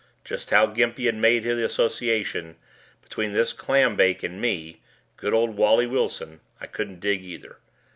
Just how Gimpy had made the association between this clambake and me good old Wally Wilson I couldn't dig either.